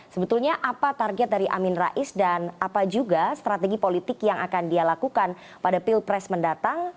sebetulnya apa target dari amin rais dan apa juga strategi politik yang akan dia lakukan pada pilpres mendatang